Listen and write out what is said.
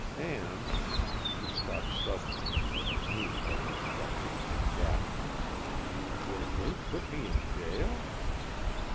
And " she stopped suddenly as a new horror struck her, and gasped. "Will they put me in jail?"